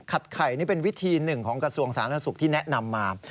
ไข่นี่เป็นวิธีหนึ่งของกระทรวงสาธารณสุขที่แนะนำมา